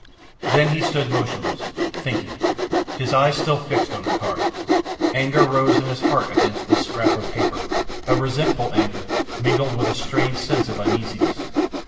Then he stood motionless, thinking, his eyes still fixed on the card. Anger rose in his heart against this scrap of paper a resentful anger, mingled with a strange sense of uneasiness.